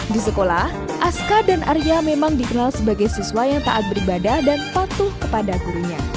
di sekolah aska dan arya memang dikenal sebagai siswa yang taat beribadah dan patuh kepada gurunya